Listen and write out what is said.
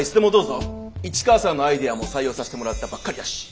市川さんのアイデアも採用させてもらったばっかりだし。